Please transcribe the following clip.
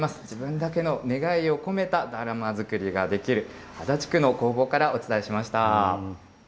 自分だけの願いを込めただるま作りができる、足立区の工房からお伝えしました。